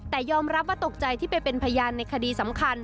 แต่ยอมรับว่าตกใจที่ไปเป็นพยานในคดีสำคัญ